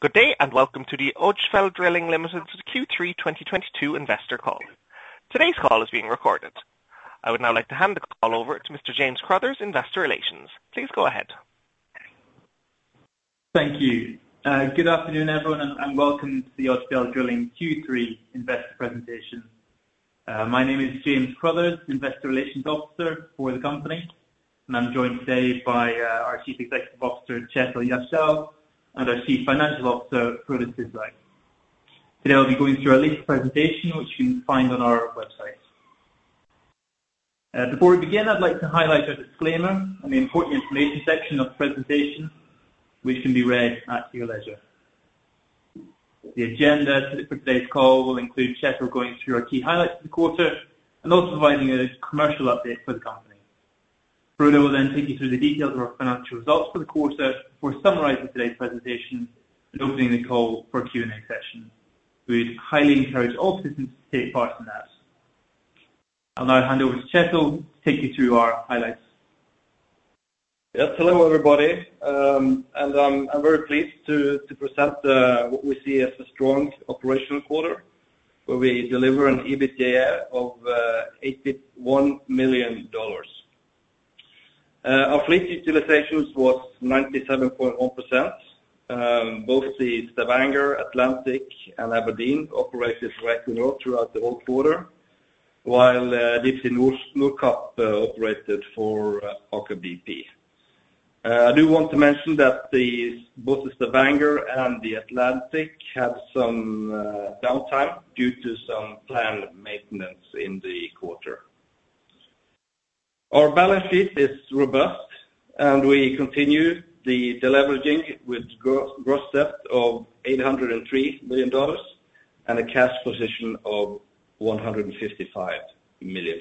Good day, and welcome to the Odfjell Drilling Ltd. Q3 2022 investor call. Today's call is being recorded. I would now like to hand the call over to Mr. James Crothers, Investor Relations. Please go ahead. Thank you. Good afternoon, everyone, and welcome to the Odfjell Drilling Q3 investor presentation. My name is James Crothers, investor relations officer for the company, and I'm joined today by our Chief Executive Officer, Kjetil Gjersdal, and our Chief Financial Officer, Frode Skage Syslak. Today, I'll be going through our latest presentation, which you can find on our website. Before we begin, I'd like to highlight our disclaimer in the important information section of the presentation, which can be read at your leisure. The agenda for today's call will include Kjetil going through our key highlights for the quarter and also providing a commercial update for the company. Frode will take you through the details of our financial results for the quarter before summarizing today's presentation and opening the call for a Q&A session. We'd highly encourage all participants to take part in that. I'll now hand over to Kjetil to take you through our highlights. Hello, everybody, I'm very pleased to present what we see as a strong operational quarter, where we deliver an EBITDA of $81 million. Our fleet utilizations was 97.1%. Both the Stavanger, Atlantic, and Aberdeen operated at rate and load throughout the whole quarter, while Deepsea Nordkapp operated for Aker BP. I do want to mention that both the Stavanger and the Atlantic had some downtime due to some planned maintenance in the quarter. Our balance sheet is robust, and we continue the deleveraging with gross debt of $803 million and a cash position of $155 million.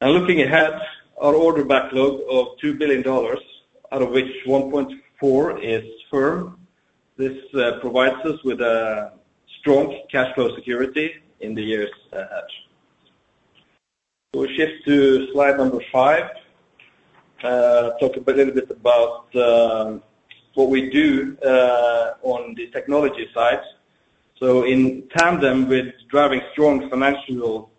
Looking ahead, our order backlog of $2 billion, out of which $1.4 is firm, this provides us with a strong cash flow security in the years ahead. We shift to slide five. Talk a little bit about what we do on the technology side. In tandem with driving strong financial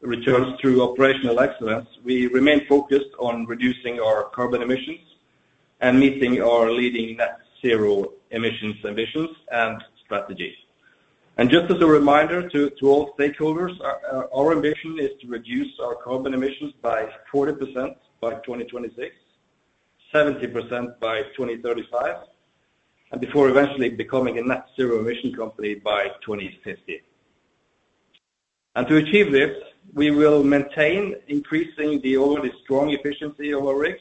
returns through operational excellence, we remain focused on reducing our carbon emissions and meeting our leading net zero emissions ambitions and strategies. Just as a reminder to all stakeholders, our ambition is to reduce our carbon emissions by 40% by 2026, 70% by 2035, and before eventually becoming a net zero emission company by 2050. To achieve this, we will maintain increasing the already strong efficiency of our rigs,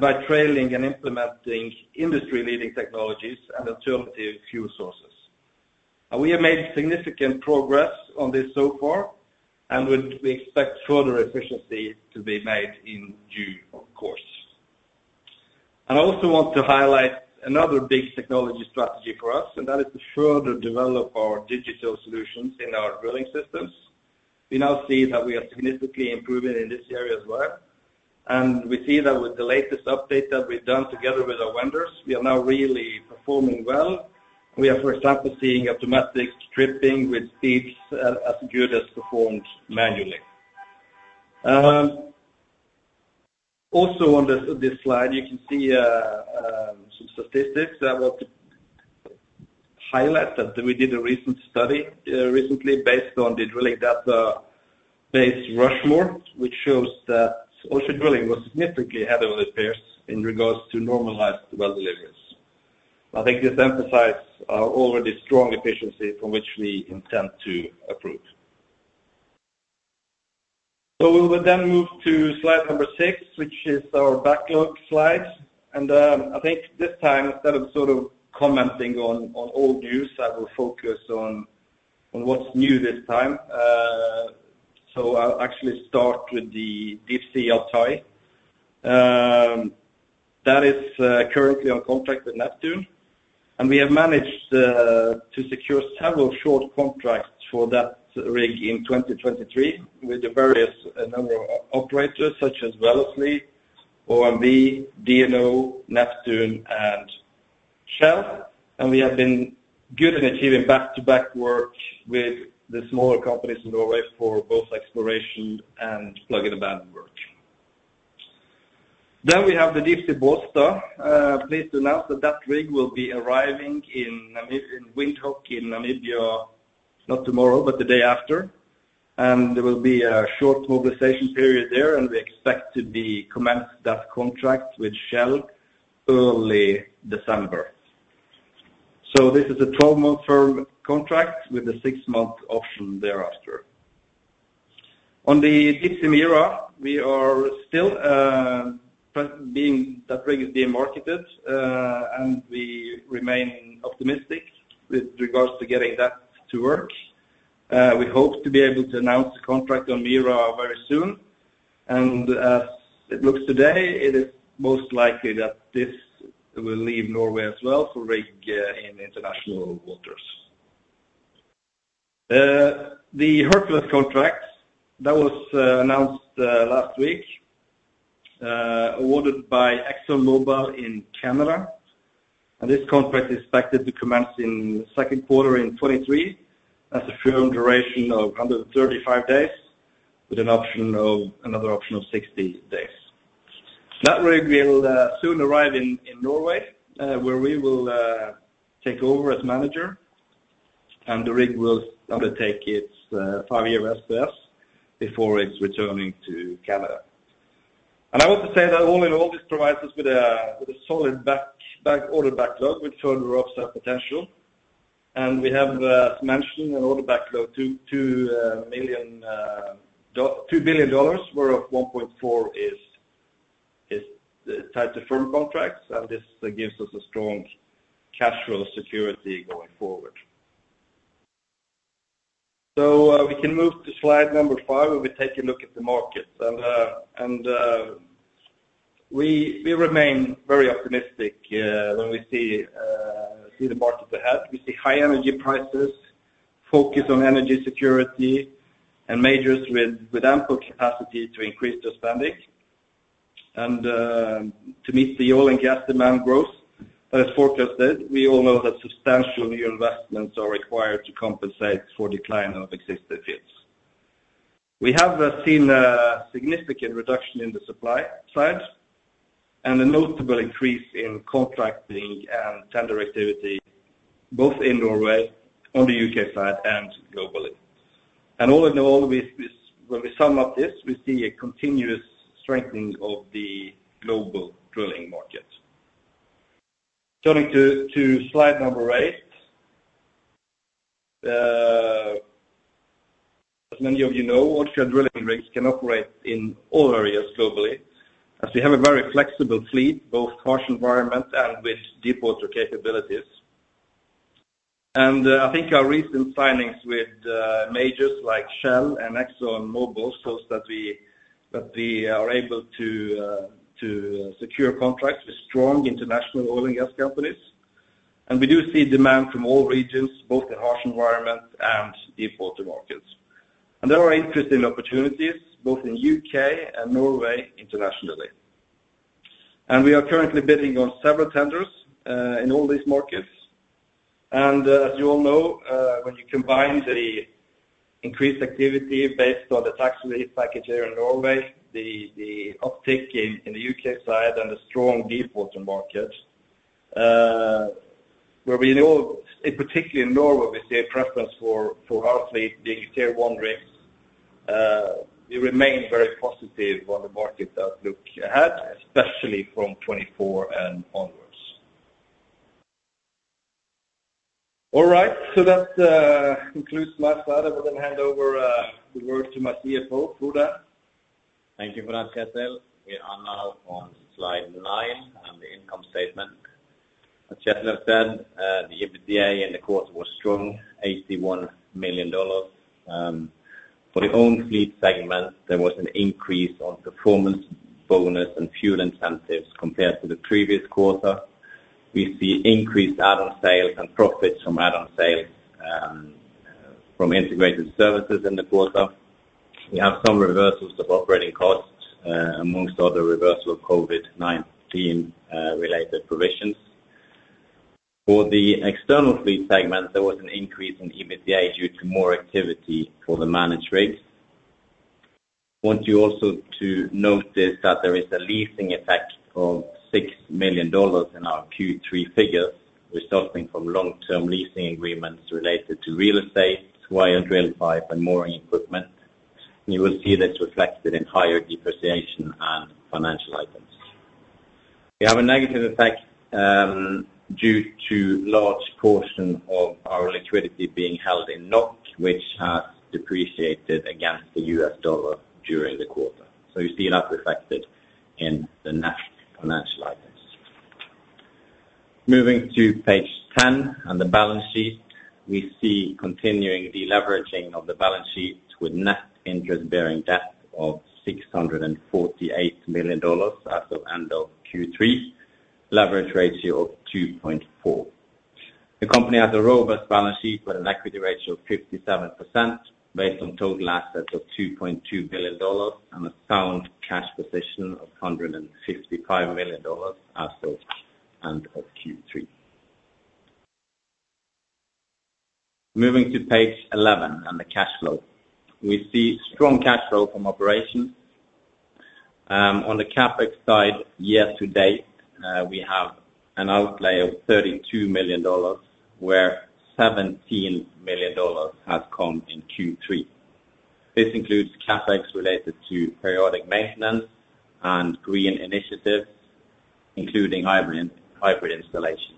by trailing and implementing industry-leading technologies and alternative fuel sources. We have made significant progress on this so far, we expect further efficiency to be made in due course. I also want to highlight another big technology strategy for us, that is to further develop our digital solutions in our drilling systems. We now see that we are significantly improving in this area as well. We see that with the latest update that we've done together with our vendors, we are now really performing well. We are, for example, seeing automatic stripping with speeds as good as performed manually. Also on this slide, you can see some statistics that I want to highlight, that we did a recent study recently based on the drilling database Rushmore, which shows that Odfjell Drilling was significantly ahead of their peers in regards to normalized well deliveries. I think this emphasizes our already strong efficiency from which we intend to improve. We will then move to slide six, which is our backlog slides. I think this time, instead of sort of commenting on old news, I will focus on what's new this time. I'll actually start with the Deepsea Yantai. That is currently on contract with Neptune Energy, and we have managed to secure several short contracts for that rig in 2023 with the various number of operators such as Vår Energi, OMV, DNO, Neptune Energy, and Shell. We have been good in achieving back-to-back work with the smaller companies in Norway for both exploration and plug and abandon work. We have the Deepsea Bollsta. Pleased to announce that that rig will be arriving in Windhoek in Namibia, not tomorrow, but the day after. There will be a short mobilization period there, and we expect to be commenced that contract with Shell early December. This is a 12-month firm contract with a six-month option thereafter. On the Deepsea Mira, That rig is being marketed, and we remain optimistic with regards to getting that to work. We hope to be able to announce a contract on Mira very soon. As it looks today, it is most likely that this will leave Norway as well for rig in international waters. The Hercules contract that was announced last week awarded by ExxonMobil in Canada. This contract is expected to commence in Q2 in 2023 as a firm duration of 135 days with an option of, another option of 60 days. That rig will soon arrive in Norway, where we will take over as manager, and the rig will undertake its five-year SPS before it's returning to Canada. I want to say that all in all, this provides us with a solid order backlog with further upsell potential. We have, as mentioned, an order backlog $2 billion, where of $1.4 is tied to firm contracts, and this gives us a strong cash flow security going forward. We can move to slide five, where we take a look at the markets. We remain very optimistic when we see the market ahead. We see high energy prices, focus on energy security and majors with ample capacity to increase the spending. To meet the oil and gas demand growth that is forecasted, we all know that substantial new investments are required to compensate for decline of existing fields. We have seen a significant reduction in the supply side and a notable increase in contracting and tender activity both in Norway, on the U.K side, and globally. All in all, we when we sum up this, we see a continuous strengthening of the global drilling market. Turning to slide number eight. As many of you know, offshore drilling rigs can operate in all areas globally, as we have a very flexible fleet, both harsh environment and with deepwater capabilities. I think our recent signings with majors like Shell and ExxonMobil shows that we are able to secure contracts with strong international oil and gas companies. We do see demand from all regions, both in harsh environments and deepwater markets. There are interesting opportunities both in U.K. and Norway internationally. We are currently bidding on several tenders in all these markets. As you all know, when you combine the increased activity based on the tax relief package here in Norway, the uptick in the U.K. side and the strong deepwater market, where we know, particularly in Norway, we see a preference for our fleet, the Tier-One rigs, we remain very positive on the market outlook ahead, especially from 2024 and onwards. All right, that concludes my slide. I will then hand over the word to my CFO, Frode. Thank you for that, Kjetil. We are now on slide nine on the income statement. As Kjetil said, the EBITDA in the quarter was strong, $81 million. For the own fleet segment, there was an increase on performance bonus and fuel incentives compared to the previous quarter. We see increased add-on sales and profits from add-on sales from integrated services in the quarter. We have some reversals of operating costs, amongst other reversal of COVID-19 related provisions. For the external fleet segment, there was an increase in EBITDA due to more activity for the managed rigs. Want you also to notice that there is a leasing effect of $6 million in our Q3 figures, resulting from long-term leasing agreements related to real estate, wire and drill pipe, and mooring equipment. You will see that's reflected in higher depreciation and financial items. We have a negative effect due to large portion of our liquidity being held in NOK, which has depreciated against the U.S. dollar during the quarter. You see that reflected in the net financial items. Moving to page 10 and the balance sheet. We see continuing deleveraging of the balance sheet with net interest-bearing debt of $648 million as of end of Q3, leverage ratio of 2.4. The company has a robust balance sheet with an equity ratio of 57% based on total assets of $2.2 billion and a sound cash position of $165 million as of end of Q3. Moving to page 11 and the cash flow. We see strong cash flow from operations. On the CapEx side, year to date, we have an outlay of $32 million, where $17 million has come in Q3. This includes CapEx related to periodic maintenance and green initiatives, including hybrid installations.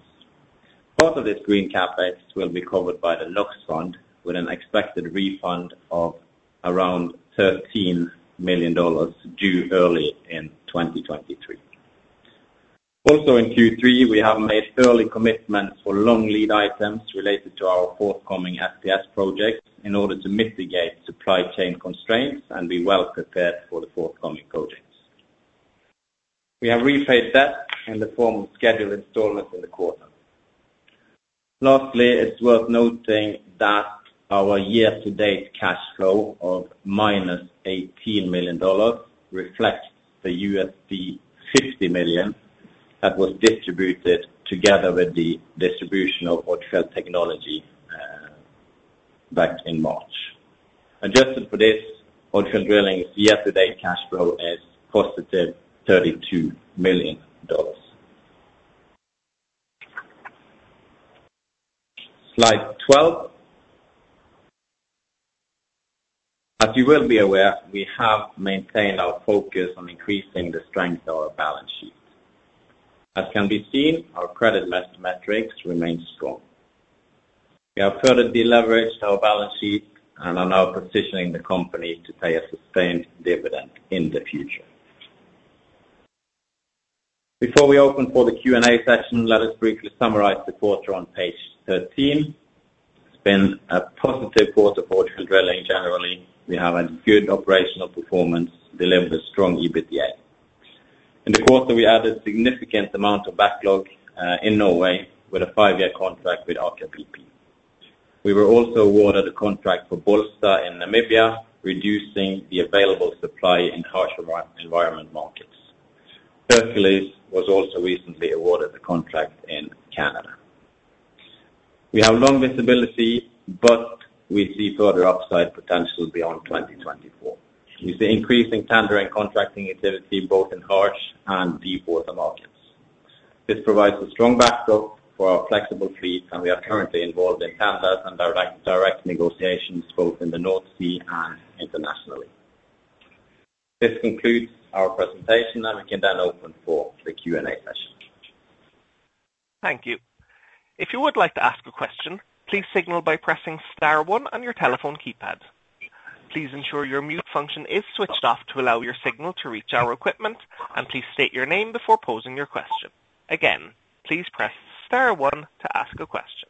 Part of this green CapEx will be covered by the NOx Fund with an expected refund of around $13 million due early in 2023. Also in Q3, we have made early commitments for long lead items related to our forthcoming FPS projects in order to mitigate supply chain constraints and be well prepared for the forthcoming project. We have repaid debt in the form of scheduled installments in the quarter. Lastly, it's worth noting that our year-to-date cash flow of -$18 million reflects the $50 million that was distributed together with the distribution of Odfjell Technology back in March. Adjusted for this, Odfjell Drilling's year-to-date cash flow is positive $32 million. Slide 12. As you will be aware, we have maintained our focus on increasing the strength of our balance sheet. As can be seen, our credit metrics remain strong. We have further deleveraged our balance sheet and are now positioning the company to pay a sustained dividend in the future. Before we open for the Q&A session, let us briefly summarize the quarter on page 13. It's been a positive quarter for Odfjell Drilling generally. We have a good operational performance, delivered strong EBITDA. In the quarter, we added significant amount of backlog in Norway with a five-year contract with Aker BP. We were also awarded a contract for Bollsta in Namibia, reducing the available supply in harsh environment markets. Hercules was also recently awarded the contract in Canada. We have long visibility. We see further upside potential beyond 2024. We see increasing tendering contracting activity both in harsh and deepwater markets. This provides a strong backlog for our flexible fleet. We are currently involved in tenders and direct negotiations both in the North Sea and internationally. This concludes our presentation. We can open for the Q&A session. Thank you. If you would like to ask a question, please signal by pressing star one on your telephone keypad. Please ensure your mute function is switched off to allow your signal to reach our equipment, and please state your name before posing your question. Again, please press star one to ask a question.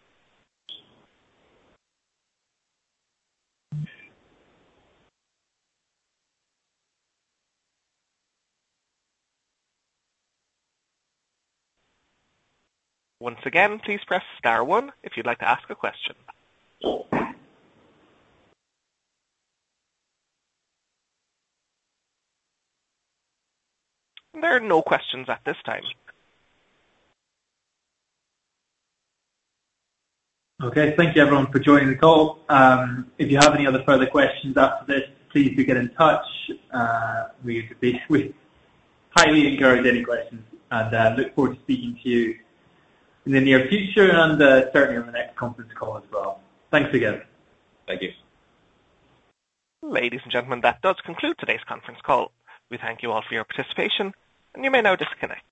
Once again, please press star one if you'd like to ask a question. There are no questions at this time. Okay, thank you everyone for joining the call. If you have any other further questions after this, please do get in touch. We highly encourage any questions and look forward to speaking to you in the near future and certainly on the next conference call as well. Thanks again. Thank you. Ladies and gentlemen, that does conclude today's conference call. We thank you all for your participation, and you may now disconnect.